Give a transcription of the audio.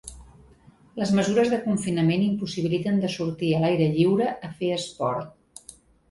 Les mesures de confinament impossibiliten de sortir a l’aire lliure a fer esport.